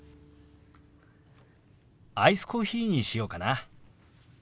アイスコーヒーにしようかな。